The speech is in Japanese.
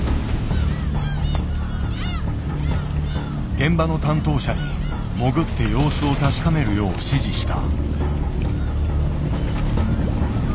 現場の担当者に潜って様子を確かめるよう指示した。